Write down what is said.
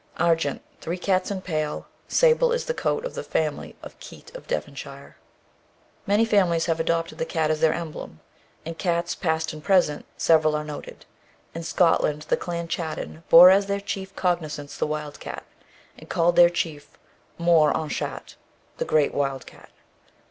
Argent three cats in pale sable is the coat of the family of Keat of Devonshire." Many families have adopted the cat as their emblem. In "Cats, Past and Present," several are noted. In Scotland, the Clan Chattan bore as their chief cognizance the wild cat, and called their chief "Mohr au Chat," the great wild cat.